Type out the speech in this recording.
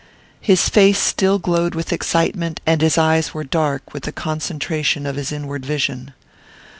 His face still glowed with excitement, and his eyes were dark with the concentration of his inward vision.